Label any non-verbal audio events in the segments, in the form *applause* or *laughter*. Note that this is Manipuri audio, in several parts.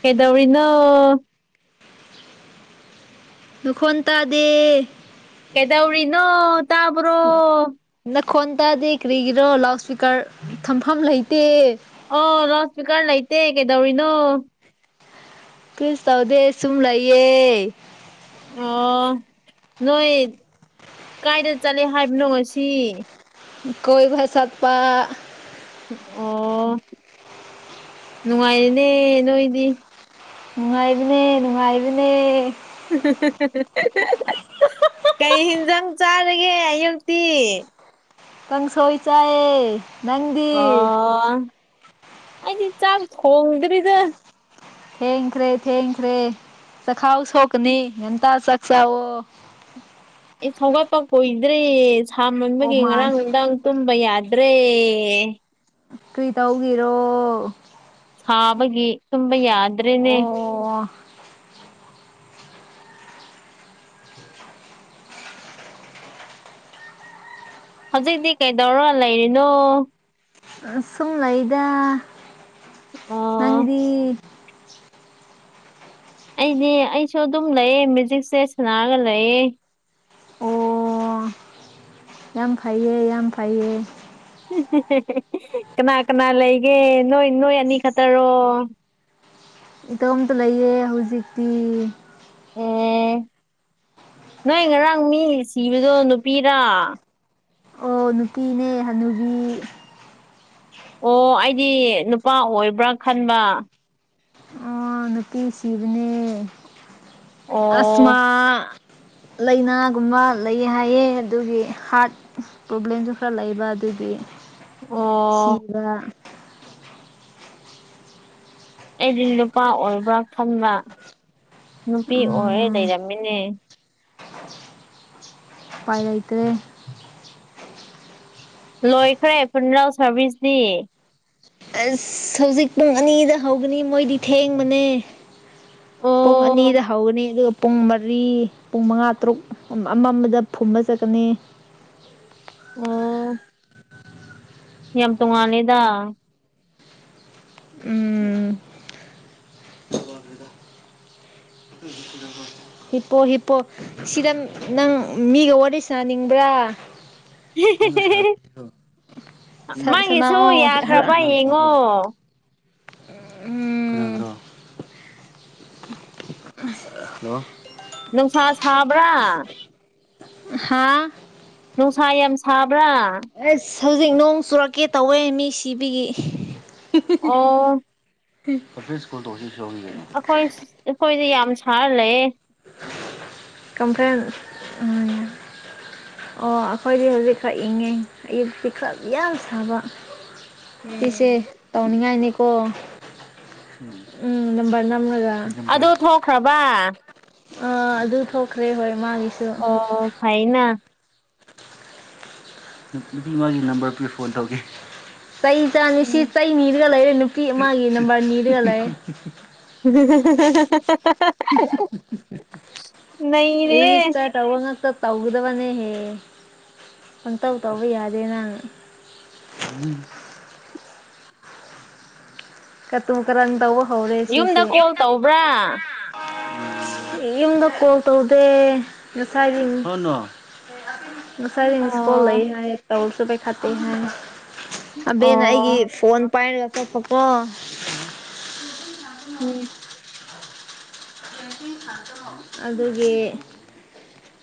ꯀꯩꯗꯧꯔꯤꯅꯣ ꯅꯈꯣꯟ ꯇꯗꯦ ꯀꯦꯗꯧꯔꯤ ꯅꯣ ꯅ ꯈꯣꯟ ꯇꯥꯗꯦ ꯀꯔꯤꯒꯤꯔꯣ ꯂꯥꯎꯠ ꯏꯁꯄꯤꯀꯔ ꯊꯝꯐꯝ ꯂꯩꯇꯦ ꯑꯣ ꯂꯥꯎꯠꯁꯄꯤꯀꯔ ꯂꯩꯇꯦ ꯀꯩꯗꯧꯔꯤꯅꯣ ꯀꯩꯁꯨ ꯇꯧꯗꯦ ꯁꯨꯝ ꯂꯩꯌꯦ ꯑꯣ ꯅꯣꯏꯣꯏ ꯀꯥꯏꯗ ꯆꯠꯂꯦ ꯍꯥꯏꯕꯅꯣ ꯁꯤ ꯀꯣꯏꯕ ꯆꯠꯄ ꯑꯣ ꯅꯨꯡꯉꯥꯏꯔꯤꯅꯦ ꯅꯣꯏꯗꯤ ꯅꯨꯡꯉꯥꯏꯕꯅꯦ ꯅꯨꯡꯉꯥꯏꯕꯅꯦ ꯀꯩ ꯍꯤꯟꯖꯥꯡ ꯆꯥꯔꯒꯦ ꯑꯌꯨꯛꯛꯇꯤ ꯀꯪꯁꯣꯏ ꯆꯥꯏꯌꯦ ꯅꯪꯗꯤ ꯑꯣ ꯑꯩꯗꯤ ꯆꯥꯛ ꯊꯣꯡꯗ꯭ꯔꯤꯗ ꯊꯦꯡꯈ꯭ꯔꯦ ꯊꯦꯡꯈ꯭ꯔꯦ ꯆꯈꯥꯎ ꯁꯣꯛꯀꯅꯤ ꯉꯟꯇꯥ ꯆꯥꯛ ꯆꯥꯎꯋꯣ ꯑꯩ ꯍꯧꯒꯠꯄ ꯀꯨꯏꯗ꯭ꯔꯤ ꯑꯣ ꯁꯥꯃꯟꯕꯒꯤ ꯃꯥꯏ ꯉꯔꯥꯡ ꯅꯨꯡꯗꯥꯡ ꯇꯨꯝꯕ ꯌꯥ *unintelligible* ꯗ꯭ꯔꯦ ꯀꯔꯤꯇꯧꯒꯤꯔꯣ ꯁꯥꯕꯒꯤ ꯇꯨꯝꯕ ꯌꯥꯗ꯭ꯔꯦꯅꯦ ꯑꯣ *inaudible* ꯍꯧꯖꯤꯛꯇꯤ ꯀꯩꯗꯧꯔ ꯂꯩꯔꯤꯅꯣ ꯑꯁꯨꯝ ꯂꯩꯗꯥ ꯑꯣ *inaudible* ꯑꯩꯗꯤ ꯑꯩꯁꯨ ꯑꯗꯨꯝ ꯂꯩꯌꯦ ꯃꯦꯖꯤꯛꯁꯦ ꯁꯅꯥꯔꯒ ꯂꯩꯌꯦ ꯑꯣ ꯌꯥꯝ ꯐꯩꯌꯦ ꯌꯥꯝ ꯐꯩꯌꯦ ꯀꯅꯥ ꯀꯅꯥ ꯂꯩꯒꯦ ꯅꯣꯏ ꯅꯣꯏ ꯑꯅꯤ ꯈꯛꯇꯔꯣ ꯏꯇꯣꯝꯇ ꯂꯩꯌꯦ ꯍꯧꯖꯤꯛꯇꯤ ꯑꯣ ꯅꯣꯏ ꯉꯔꯥꯡ ꯃꯤ ꯁꯤꯕꯗꯣ ꯅꯨꯄꯤꯔ ꯥ ꯑꯣ ꯅꯨꯄꯤꯅꯦ ꯍꯅꯨꯕꯤ ꯑꯣ ꯑꯩꯗꯤ ꯅꯨꯄꯥ ꯑꯣꯏꯕ꯭ꯔꯥ ꯈꯟꯕ ꯑꯣ ꯅꯨꯄꯤ ꯁꯤꯕꯅꯦ ꯑꯁꯃꯥ ꯑꯣ ꯂꯥꯏꯅꯥꯒꯨꯝꯕ ꯂꯩꯌꯦ ꯍꯥꯏꯌꯦ ꯑꯗꯨꯒꯤ ꯍꯥꯔ꯭ꯇ ꯄ꯭ꯔꯣꯕ꯭ꯂꯦꯝꯁꯨ ꯈꯔ ꯂꯩꯕ ꯑꯗꯨꯒꯤ ꯑꯣ ꯁꯤꯕ ꯑꯩꯗꯤ ꯅꯨꯄꯥ ꯑꯣꯏꯕ꯭ꯔꯥ ꯈꯟꯕ ꯅꯨꯄꯤ ꯑꯣꯏꯔ ꯎꯝ ꯂꯩꯔꯝ ꯃꯤꯅꯦ ꯄꯥꯏ ꯂꯩꯇ꯭ꯔꯦ ꯂꯣꯏꯈ꯭ꯔꯦ ꯐꯨꯅꯔꯦꯜ ꯁꯥꯔꯚꯤꯁꯇꯤ ꯑꯁ ꯍꯧꯖꯤꯛ ꯄꯨꯡ ꯑꯅꯤꯗ ꯍꯧꯒꯅꯤ ꯃꯣꯏꯗꯤ ꯊꯦꯡꯕꯅꯦ ꯄꯨꯡ ꯑꯣ ꯑꯅꯤꯗ ꯍꯧꯒꯅꯤ ꯑꯗꯨꯒ ꯄꯨꯡ ꯃꯔꯤ ꯄꯨꯡ ꯃꯉꯥ ꯇꯔꯨꯛ ꯑꯃꯝꯕꯗ ꯐꯨꯝꯕ ꯆꯠꯀꯅꯤ ꯑꯣ ꯌꯥꯝ ꯇꯣꯡꯉꯥꯜꯂꯦꯗ ꯎꯝ ꯍꯤꯄꯣ ꯍꯤꯄꯣ ꯁꯤꯗ ꯅꯪ ꯃꯤꯒ ꯋꯥꯔꯤ ꯁꯥꯅꯅꯤꯡꯕ꯭ꯔꯥ ꯅꯪꯒ *unintelligible* ꯁ ꯃꯥꯒꯤꯁꯨ ꯁꯅꯧꯋꯣ ꯌꯥꯈ꯭ꯔꯕ ꯌꯦꯡꯉꯣ ꯎꯝ *unintelligible* ꯍꯂꯣ ꯅꯨꯡꯁꯥ ꯁꯥꯕ꯭ꯔꯥ ꯍꯥꯥ ꯅꯨꯡꯁꯥ ꯌꯥꯝ ꯁꯥꯕ꯭ꯔꯥ ꯑꯁ ꯍꯧꯖꯤꯛ ꯅꯣꯡ ꯆꯨꯔꯛꯀꯦ ꯇꯧꯋꯦ ꯃꯤ ꯁꯤꯕꯒꯤ ꯑꯣ *unintelligible* ꯑꯩꯈꯣꯏ ꯑꯩꯈꯣꯏꯗꯤ ꯌꯥꯝ ꯁꯥꯔ ꯂꯩꯌꯦ ꯀꯝꯄ꯭ꯂꯦꯟ *unintelligible* ꯑꯣ ꯑꯩꯈꯣꯏꯗꯤ ꯍꯧꯖꯤꯛ ꯈꯛ ꯏꯪꯉꯦ ꯑꯌꯨꯛꯇꯤ ꯈꯔ ꯌꯥꯝ ꯁꯥꯕ ꯏꯁꯦ ꯎꯝ ꯇꯧꯅꯤꯡꯉꯥꯏꯅꯤꯀꯣ ꯎꯝ ꯅꯝꯕꯔ ꯅꯝꯂꯒ ꯑꯗꯨ ꯊꯣꯛꯈ꯭ꯔꯕ ꯑꯥ ꯑꯗꯨ ꯊꯣꯛꯈ꯭ꯔꯦ ꯍꯣꯏ ꯃꯥꯒꯤꯁꯨ ꯑꯣ ꯒꯩꯌꯦꯅ ꯅꯨꯄꯤꯝꯒꯤ *unintelligible* ꯁꯤ ꯎꯝ ꯆꯩꯅꯤꯗꯨ ꯂꯩꯔ ꯅꯨꯛꯇꯤ ꯃꯥꯒꯤꯦꯅꯝꯕꯅꯤꯔꯒ ꯂꯩ ꯎꯝ ꯏ ꯇ ꯇꯧꯉ ꯇ ꯇꯒꯗꯕꯅꯦ ꯍꯦ ꯄꯪꯇꯧ ꯇꯧꯕ ꯌꯥꯗꯦ ꯅꯪ ꯀ ꯇꯨ ꯀꯔꯟ ꯇꯧꯕ ꯍꯧꯔꯦ ꯌꯨꯝꯗ ꯁꯤꯁꯦ ꯀꯣꯜ ꯇꯧꯕ꯭ꯔꯥ ꯌꯨꯝꯗ ꯀ ꯇꯧꯗꯦ ꯉꯁꯥꯏꯒꯤ ꯉꯁꯥꯏꯁꯤꯡ ꯁ꯭ꯀꯣꯜ ꯑꯣ ꯂꯩ ꯍꯥꯏ ꯇꯧꯔꯁꯨ ꯄꯩꯈꯥ ꯇꯦ ꯍꯥꯏ ꯑꯕꯦꯅ ꯑꯩꯒꯤ ꯑꯣ ꯐꯣꯟ ꯄꯥꯏꯅꯒꯆꯥ ꯄꯄ ꯎꯝ ꯑꯗꯨꯒꯤ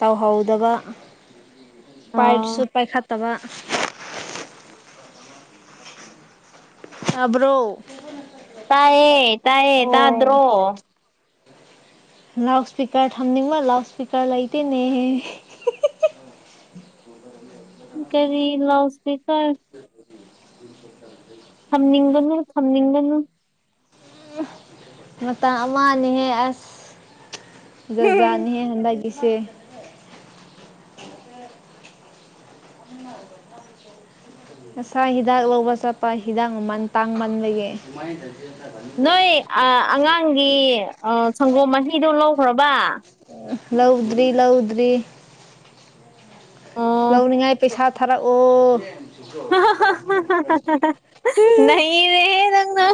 ꯇꯧꯍꯧꯗꯕ ꯄꯥꯏꯁꯨ ꯑꯣ ꯄꯥꯏꯈꯥ ꯇ ꯑꯕ꯭ꯔꯣ ꯇꯥꯏꯌꯦꯦ ꯇꯥꯏꯌꯦ ꯇꯥꯗ꯭ꯔꯣ ꯂꯥꯎꯗ ꯁꯄꯀꯔ ꯊꯝꯅꯤ ꯃꯥ ꯂꯥꯎꯠ ꯁꯄꯀꯔ ꯂꯥꯏꯇꯅꯦꯍꯦ *inaudible* ꯀꯔꯤ ꯂꯥꯎ ꯁꯄꯤꯀꯔ ꯎꯝ ꯎ ꯊꯝꯅꯤꯡꯒꯅ ꯊꯝꯅꯤꯡꯒꯅ ꯃꯇꯝ ꯑꯃꯅꯤꯍꯦ ꯑꯁ ꯖꯥꯅꯤꯍꯦ ꯍꯦꯟꯗꯁꯦ ꯉꯁꯥ ꯍꯤꯗꯥꯛ ꯂꯧꯕ ꯆꯠꯄ ꯍꯤꯗꯥꯛ ꯃꯃꯟ ꯇꯥꯡꯃꯟꯕꯒꯤ ꯅꯣꯏ ꯑꯉꯥꯡꯒꯤ ꯁꯪꯒꯣꯝ ꯃꯍꯤꯗꯨꯣ ꯂꯧꯈ꯭ꯔꯕ ꯂꯧꯗ꯭ꯔꯤ ꯂꯧꯗ꯭ꯔꯤ ꯑꯣ ꯂꯧꯅꯤꯡꯉꯥꯏ ꯄꯩꯁꯥ ꯊꯥꯔꯛꯑꯣ ꯍ ꯍꯗꯂ ꯅꯩꯔꯦꯍꯦ ꯅꯪꯅ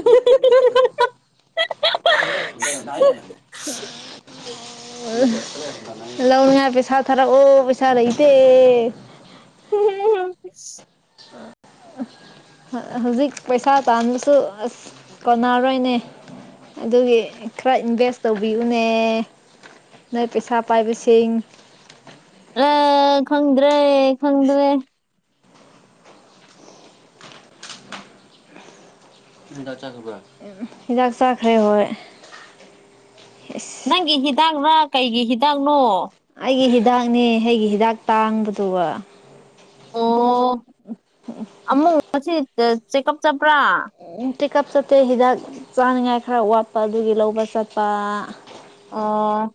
ꯂꯥꯎꯅꯤꯡꯌꯥ ꯄꯩꯁꯥ ꯊꯔ ꯑꯣ ꯄꯩꯁꯥ ꯂꯩꯗ ꯍ ꯍꯧꯖꯤꯛ ꯄꯩꯁꯥ ꯇꯥꯟꯕꯁꯨ ꯑꯁ ꯀꯣꯟꯅꯔꯣꯏꯅꯦ ꯑꯗꯨꯒꯤ ꯈꯔ ꯏꯟꯚꯦꯁ ꯇꯧꯕꯤꯌꯨꯅꯦ ꯅꯣꯏ ꯄꯦꯁꯥ ꯄꯥꯏꯕꯤꯁꯤ ꯑꯦ ꯈꯪꯗ꯭ꯔꯦ ꯈꯪꯗ꯭ꯔꯦ ꯎ ꯍꯤꯖꯥꯛ ꯆꯈꯔꯦ ꯍꯣꯏ ꯑꯁ ꯅꯪꯒꯤ ꯍꯤꯗꯥꯛꯅ ꯀꯩꯒꯤ ꯍꯤꯗꯥꯛꯅꯣ ꯑꯩꯒꯤ ꯍꯤꯗꯥꯛꯅꯦ ꯑꯩꯒꯤ ꯍꯤꯗꯥꯛ ꯇꯥꯡꯕꯗꯨꯒ ꯑꯣ ꯑꯃꯨꯛ ꯉꯁꯤ ꯆꯦꯛꯑꯞ ꯆꯠꯄ꯭ꯔꯥ ꯇꯤꯛꯀꯞ ꯆꯠꯇꯦ ꯍꯤꯗꯥꯛ ꯆꯥꯅꯤꯉꯥꯏ ꯈꯔ ꯋꯥꯠꯄ ꯑꯗꯨꯒꯤ ꯂꯧꯕ ꯆꯠꯄ ꯑ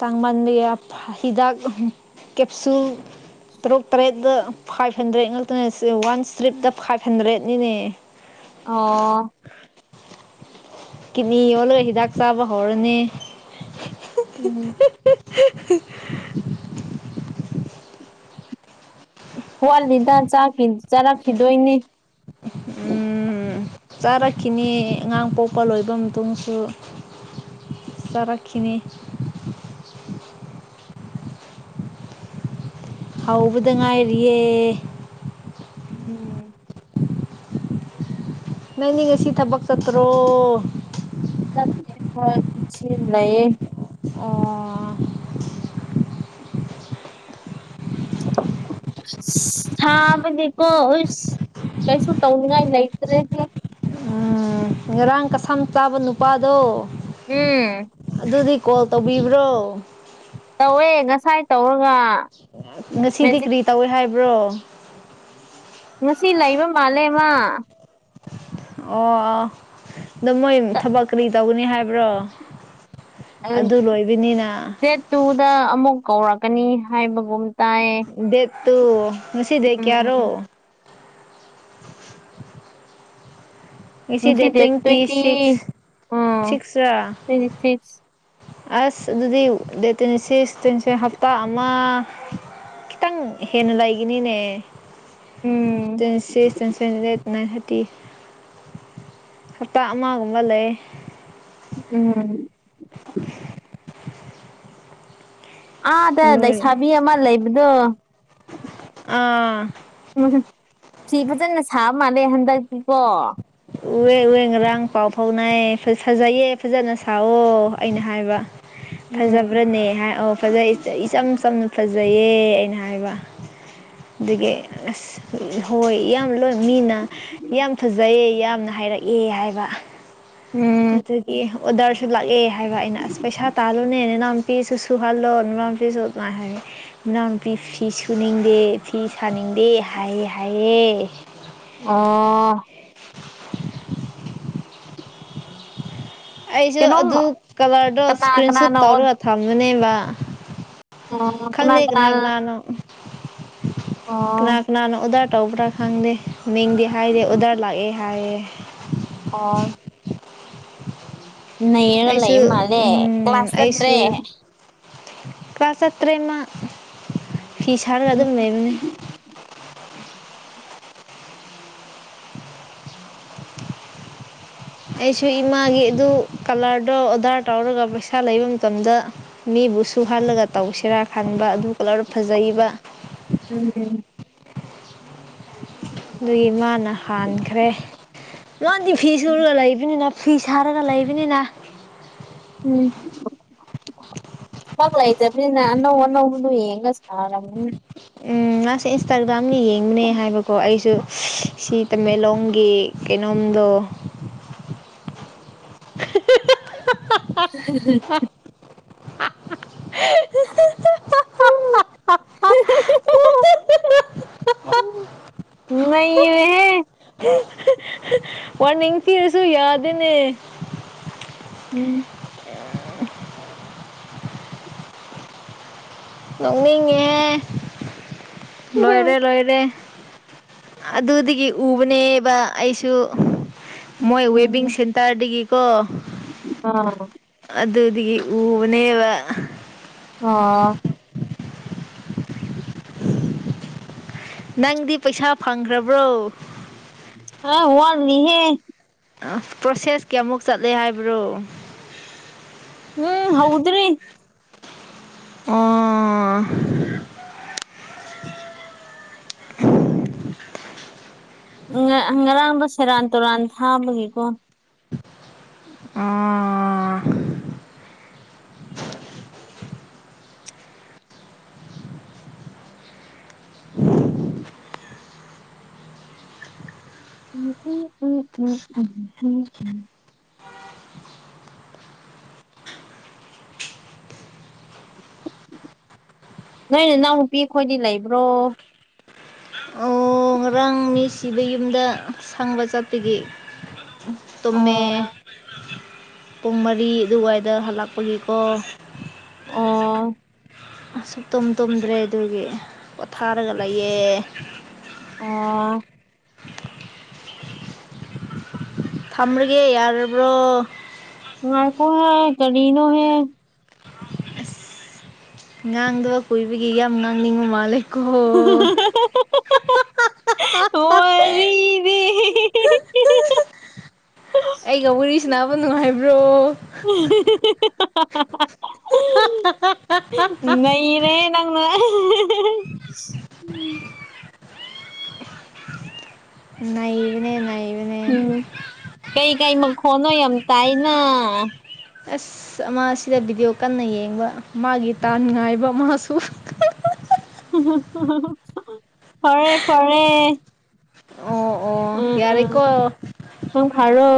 ꯇꯥꯡꯃꯥꯟꯕꯤ ꯍꯤꯗꯥꯛ ꯀꯦꯞꯁꯨ ꯇꯔꯨꯛ ꯇꯔꯦꯠꯇ ꯐꯥꯏꯚ ꯍꯟꯗ꯭ꯔꯦꯠ ꯉꯥꯛꯇꯅꯦ ꯋꯥꯟ ꯏꯁꯇ꯭ꯔꯤꯞꯇ ꯐꯥꯏꯚ ꯍꯟꯗ꯭ꯔꯦꯠꯅꯤꯅꯦ ꯑꯣ ꯀꯤꯅꯤ ꯌꯣꯜꯂꯒ ꯍꯤꯗꯥꯛ ꯆꯥꯕ ꯍꯧꯔꯅꯤ ꯎꯝ *inaudible* ꯋꯥꯠꯂꯤꯗ ꯆꯥꯔꯛꯈꯤꯗꯣꯏꯅꯤ ꯆꯥꯔꯛꯈꯤꯅꯤ ꯑꯉꯥꯡ ꯄꯣꯛꯄ ꯂꯣꯏꯕ ꯃꯇꯨꯡꯁꯨ ꯆꯔꯥꯈꯅꯤ ꯍꯥꯎꯕꯗ ꯉꯥꯏꯔꯤꯌꯦ ꯎꯝ ꯅꯪꯅꯦ ꯉꯁꯤ ꯊꯕꯛ ꯆꯠꯇ꯭ꯔꯣ ꯅꯌꯦ ꯑꯣ *inaudible* ꯁꯥꯃꯅꯤ ꯀꯣ ꯏꯁ ꯀꯩꯁꯨ ꯇꯧꯅꯤꯡ ꯉꯥꯏ ꯂꯩꯇꯔꯦꯍꯦ ꯎꯝ ꯉꯔꯥꯡ ꯀꯁꯝ ꯆꯥꯕ ꯅꯨꯄꯥꯗꯣ ꯎꯝ ꯑꯗꯨꯗꯤ ꯀꯣꯜ ꯇꯧꯕꯤꯕ꯭ꯔꯣ ꯇꯧꯋꯦ ꯉꯁꯥꯏ ꯇꯧꯔ ꯉꯁꯤꯗꯤ ꯀꯔꯤ ꯇꯧꯏ ꯍꯥꯏꯕ꯭ꯔꯣ ꯉꯁꯤ ꯂꯩꯕ ꯃꯥꯜꯂꯦ ꯃꯥ ꯑꯣ ꯑꯗꯣ ꯃꯣꯏ ꯊꯕꯛ ꯀꯔꯤ ꯇꯧꯒꯅꯤ ꯍꯥꯏꯕ꯭ꯔꯣ ꯎꯪ ꯑꯗꯨ ꯂꯣꯏꯕꯅꯤꯅ ꯗꯦꯠ ꯇꯨꯗ ꯑꯃꯨꯛ ꯀꯧꯔꯛꯀꯅꯤ ꯍꯥꯏꯕꯒꯨꯝ ꯇꯥꯏꯌꯦ ꯗꯦꯠ ꯇꯨ ꯉꯁꯤ ꯗꯦꯠ ꯀꯌꯥꯔꯣ ꯎꯝ *inaudible* ꯉꯁꯤ ꯗꯦꯠ ꯇꯣꯏꯟꯇꯤꯁꯤꯛꯁ ꯎꯝ ꯁꯤꯛꯁ ꯔꯥ ꯇ꯭ꯋꯦꯟꯇꯤ ꯁꯤꯛꯁ ꯑꯁ ꯑꯗꯨꯗꯤ ꯗꯦꯠ ꯇꯣꯏꯟꯇꯤꯁꯤꯛꯁ ꯇꯣꯏꯟꯇꯤꯁꯦ ꯍꯞꯇꯥ ꯑꯃ ꯈꯤꯇꯪ ꯍꯦꯟꯅ ꯂꯩꯒꯅꯤꯅꯦ ꯎꯝ twenty six twenty sent eight nine ꯊ ꯍꯞꯇꯥ ꯑꯃꯒꯨꯝꯕ ꯂꯩꯌꯦ ꯎꯝ ꯑꯥꯗ ꯂꯣꯏ ꯂꯩꯁꯥꯕꯤ ꯑꯃ ꯂꯩꯕꯗꯣ ꯑꯥ ꯎꯝ ꯁꯤ ꯐꯖꯅ ꯁꯥꯕ ꯃꯥꯜꯂꯦ ꯍꯟꯗꯛꯇꯤꯀꯣ ꯎꯋꯦ ꯎꯋꯦ ꯉꯔꯥꯡ ꯄꯥꯎ ꯐꯥꯎꯅꯩꯑ ꯐꯖꯩꯌꯦ ꯐꯖꯅ ꯁꯥꯑꯣ ꯑꯩꯅ ꯍꯥꯏꯕ ꯎꯝ ꯐꯖꯕ꯭ꯔꯅꯦ ꯍꯥꯏ ꯑꯣ ꯐꯖꯩ ꯏꯆꯝ ꯆꯝꯅ ꯐꯖ ꯐꯖꯩꯌꯦ ꯑꯩꯅ ꯍꯥꯏꯕ ꯑꯗꯨꯒꯤ ꯑꯁ ꯑꯥ ꯍꯣꯏ ꯌꯥ ꯂꯣꯏ ꯃꯤꯅ ꯌꯥꯝ ꯐꯖꯩꯌꯦ ꯌꯥꯝꯅ ꯍꯥꯏꯔꯛꯑꯦ ꯍꯥꯏꯕ ꯎꯝ ꯑꯗꯨꯒꯤ ꯑꯣꯗꯔꯁꯨ ꯂꯥꯛꯑꯦ ꯍꯥꯏꯕ ꯑꯩꯅ ꯑꯁ ꯄꯩꯁꯥ ꯇꯥꯜꯂꯨꯅꯦ ꯅꯅꯥꯎ ꯐꯤꯁꯨ ꯁꯨꯍꯜꯂꯣ ꯅꯅꯥꯎ ꯅꯨꯄꯤꯁꯨ ꯗꯨꯃꯥꯏ ꯍꯥꯏꯌꯦ ꯏꯅꯥꯎ ꯅꯨꯄꯤ ꯐꯤ ꯁꯨꯅꯤꯡꯗꯦ ꯐꯤ ꯁꯥꯅꯤꯡ ꯗꯤ ꯍꯥꯏꯌꯦ ꯍꯥꯏꯌꯦ ꯑꯣ ꯑꯩꯁꯨ ꯀꯩꯅꯣꯝ ꯑꯗꯨ ꯀꯂꯔꯗꯣ ꯀꯅꯥ ꯏꯁꯀ꯭ꯔꯤꯟ ꯁꯨꯠ ꯀꯅꯥꯅꯣ ꯑꯣ ꯇꯧꯔꯒ ꯊꯝꯕꯅꯦꯕ ꯈꯪꯗꯦ ꯀꯅꯥ ꯀꯅꯥꯅꯣ ꯀꯅꯥ ꯑꯣ ꯀꯅꯥꯅ ꯑꯣꯗꯔ ꯇꯧꯕꯔ ꯈꯪꯗꯦ ꯃꯤꯡꯗꯤ ꯍꯥꯏꯔꯦ ꯑꯣꯗꯔ ꯂꯥꯛꯑꯦ ꯍꯥꯏꯌꯦ ꯑꯥ ꯑꯩꯁꯨ ꯂꯩꯕ ꯃꯥꯜꯂꯦ ꯎꯝ ꯀ꯭ꯂꯥꯁ ꯆꯠꯇ꯭ꯔꯦ ꯑꯩꯁꯨ ꯀ꯭ꯂꯥꯁ ꯆꯠꯇꯔꯦ ꯃꯥ ꯐꯤ ꯁꯥꯔꯒ ꯎꯝ ꯑꯗꯨꯝ ꯂꯩꯕꯅꯦ ꯑꯩꯁꯨ ꯏꯃꯥꯒꯤ ꯑꯗꯨ ꯀꯂꯔꯗꯣ ꯑꯣꯗꯔ ꯇꯧꯔꯒ ꯄꯩꯁꯥ ꯂꯩꯕ ꯃꯇꯝꯗ ꯃꯤ ꯗꯨ ꯁꯨꯍꯜꯂꯒ ꯇꯧꯁꯤꯔꯥ ꯈꯟꯕ ꯑꯗꯨ ꯀꯂꯔ ꯐꯖꯩꯕ ꯎꯝ ꯑꯗꯨꯒꯤ ꯃꯥꯅ ꯍꯥꯟꯈ꯭ꯔꯦ ꯂꯣꯟꯗꯤ ꯐꯤ ꯁꯨꯔꯒ ꯂꯩꯕꯅꯤꯅ ꯐꯤ ꯁꯥꯔꯒ ꯂꯩꯕꯅꯤꯅ ꯎꯝ ꯕꯛ ꯂꯩꯇꯕꯅꯤꯅ ꯑꯅꯧ ꯑꯅꯧꯕꯗꯨ ꯌꯦꯡꯉꯒ ꯁꯥꯔꯝꯅꯤ ꯎꯝ ꯃꯥꯁꯦ ꯏꯟꯁꯇꯥꯒ꯭ꯔꯥꯝꯅ ꯌꯦꯡꯕꯅꯦ ꯍꯥꯏꯕꯀꯣ ꯑꯩꯁꯨ ꯁꯤ ꯇꯃꯦꯡꯂꯣꯡꯒꯤ ꯀꯩꯅꯣꯝꯗꯣ *inaudible* ꯍꯤ ꯍꯤ ꯍꯤ ꯍ *inaudible* ꯅꯩꯔꯦꯍꯦ ꯋꯥꯔꯅꯤꯡ ꯊꯤꯔꯁꯨ ꯌꯥꯗꯦꯅꯦ ꯎꯝ ꯅꯣꯛꯅꯤꯡꯉꯦ ꯂꯣꯏꯔꯦ ꯂꯣꯏꯔꯦ ꯑꯗꯨꯗꯒꯤ ꯎꯕꯅꯦꯕ ꯑꯩꯁꯨ ꯃꯣꯏ ꯋꯦꯕꯤꯡ ꯎꯝ ꯁꯦꯟꯇꯔꯗꯒꯤꯀꯣ ꯑꯥ ꯑꯗꯨ ꯑꯗꯒꯤ ꯎꯕꯅꯦꯕ ꯑꯥ ꯅꯪꯗꯤ ꯄꯩꯁꯥ ꯐꯪꯈ꯭ꯔꯕ꯭ꯔꯣ ꯑ ꯋꯥꯒꯅꯤꯍꯦ ꯄ꯭ꯔꯣꯁꯦꯁ ꯀꯌꯥꯃꯨꯛ ꯆꯠꯂꯦ ꯍꯥꯏꯕ꯭ꯔꯣ ꯎꯝ ꯍꯥꯎꯗ꯭ꯔꯤ ꯑꯣ *unintelligible* ꯉꯔꯥꯡꯕ ꯁꯦꯔꯥꯟ ꯇꯨꯔꯥꯟ ꯊꯥꯕꯒꯤꯀꯣ ꯑꯣꯥ ꯎꯝ ꯎꯝ ꯎꯝ ꯎꯝ ꯎꯝꯝ ꯎꯝ ꯎꯝ ꯅꯣꯏ ꯅ ꯏꯅꯥꯎꯅꯄꯤ ꯑꯩꯈꯣꯏꯗꯤ ꯂꯩꯕ꯭ꯔꯣ ꯑꯣ ꯉꯔꯥꯡ ꯃꯤ ꯁꯤꯕꯒꯤ ꯌꯨꯝꯗ ꯁꯪꯕ ꯆꯠꯄꯒꯤ ꯇꯨꯝꯃꯦ ꯑꯣ ꯄꯨꯡ ꯃꯔꯤ ꯑꯗꯨꯋꯥꯏꯗ ꯍꯜꯂꯛꯄꯒꯤꯀꯣ ꯑꯣ ꯑ ꯁꯨꯛ ꯇꯨꯝ ꯇꯨꯝꯗ꯭ꯔꯦ ꯑꯗꯨꯒꯤ ꯄꯣꯊꯥꯔꯒ ꯂꯩꯑꯦ ꯑꯣ ꯊꯝꯃꯔꯒꯦ ꯌꯥꯕ꯭ꯔꯣ ꯉꯥꯏꯈꯤ ꯀꯔꯤꯅꯣ ꯍꯦ ꯉꯥꯡꯗꯕ ꯀꯨꯏꯕꯒꯤ ꯌꯥꯝ ꯉꯥꯡꯅꯤꯡꯕ ꯃꯥꯜꯂꯦꯀꯣ ꯋꯥꯔꯤꯗꯤ *unintelligible* *unintelligible* *unintelligible* ꯑꯩꯒ ꯋꯥꯔꯤꯁꯤꯅꯕ ꯅꯨꯡꯉꯥꯏꯕ꯭ꯔꯣ *unintelligible* ꯅꯩꯔꯦꯍꯦ ꯅꯪꯅ ꯅꯩꯕꯅꯦ ꯅꯩꯕꯅꯦ ꯎꯝ ꯀꯩꯀꯩ ꯃꯈꯣꯟꯅꯣ ꯌꯥꯝ ꯇꯥꯏꯅ ꯑꯁ ꯑꯃ ꯁꯤꯗ ꯚꯤꯗꯤꯑꯣ ꯀꯟꯅ ꯌꯦꯡꯕ ꯃꯥꯒꯤ ꯇꯥꯟ ꯅꯨꯡꯉꯥꯏꯕ ꯃꯥꯁꯨ *unintelligible* ꯐꯥꯔꯦ ꯐꯥꯔꯦ ꯑꯣ ꯑꯣ ꯌꯥꯔꯦꯀꯣ ꯅꯪ ꯐꯔꯣ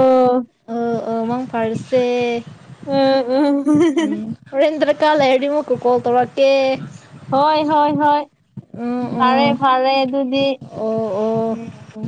ꯑꯥ ꯑꯥ ꯃꯪ ꯐꯥꯔꯁꯦ ꯎꯝ ꯎꯝ ꯎꯝ ꯍꯣꯔꯦꯟꯗ꯭ꯔ ꯨ ꯀꯥ ꯂꯩꯔꯗꯤ ꯃꯨ ꯀꯣꯜ ꯇꯧꯔꯛ ꯀꯦ ꯍꯣꯏ ꯍꯣꯏ ꯍꯣꯏ ꯐꯔꯦ ꯎꯝ ꯐꯔꯦ ꯑꯗꯨꯗꯤ ꯑꯣ ꯑꯣ ꯎꯝ